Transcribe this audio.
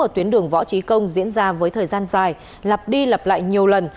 ở tuyến đường võ trí công diễn ra với thời gian dài lặp đi lặp lại nhiều lần